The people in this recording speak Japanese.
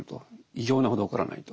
異常なほど起こらないと。